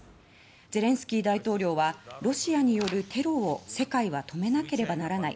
ゼレンスキー大統領はロシアによるテロを世界は止めなければならない。